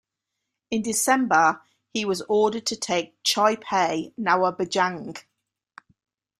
In December he was ordered to take Chapai Nawabganj.